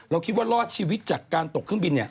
คิดว่ารอดชีวิตจากการตกเครื่องบิน